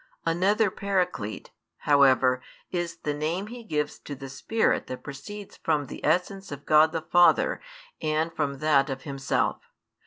Another Paraclete, however, is the name He gives to the Spirit that proceeds from the essence of God the Father and from that of Himself.